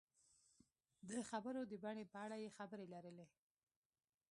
د خبرو د بڼې په اړه یې خبرې لري.